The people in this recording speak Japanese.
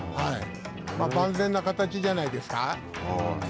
万全な形じゃないですか。